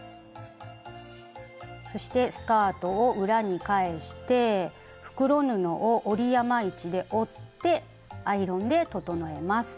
そしてスカートを裏に返して袋布を折り山位置で折ってアイロンで整えます。